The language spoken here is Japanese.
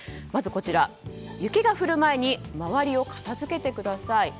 まず、雪が降る前に周りを片付けてください。